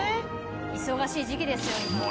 忙しい時期ですよ今は。